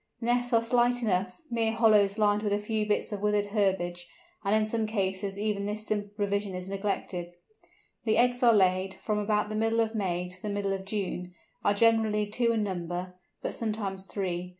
The nests are slight enough, mere hollows lined with a few bits of withered herbage, and in some cases even this simple provision is neglected. The eggs, which are laid from about the middle of May to the middle of June, are generally two in number, but sometimes three.